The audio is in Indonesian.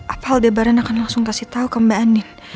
apa aldebaran akan langsung kasih tau ke mbak andin